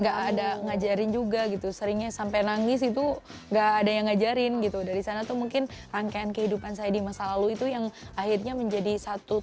gak ada ngajarin juga gitu seringnya sampai nangis itu enggak ada yang ngajarin gitu dari sana tuh mungkin rangkaian kehidupan saya di masa lalu itu yang akhirnya menjadi satu